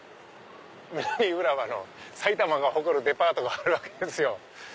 南浦和の埼玉が誇るデパートがあるわけですよ。